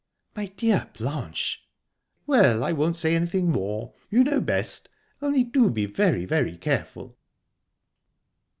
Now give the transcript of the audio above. "My dear Blanche!..." "Well, I won't say anything more. You know best. Only, do be very, very careful."